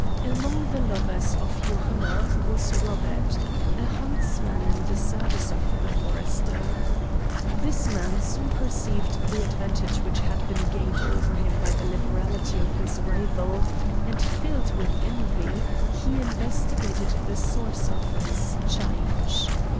Among the lovers of Johanna was Robert, a huntsman in the service of the forester. This man soon perceived the advantage which had been gained over him by the liberality of his rival, and filled with envy, he investigated the source of this change.